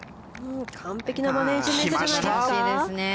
完璧なマネジメントじゃないですか。